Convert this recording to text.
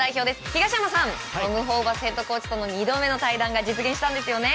東山さん、トム・ホーバスヘッドコーチとの２度目の対談が実現したんですよね。